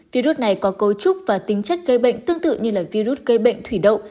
virus này có cấu trúc và tính chất gây bệnh tương tự như virus gây bệnh thủy đậu